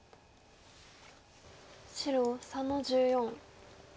白３の十四。